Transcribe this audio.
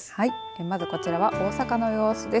まずこちらは大阪の様子です。